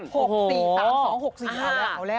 ๖๔ตั้งหมดเอาแล้ว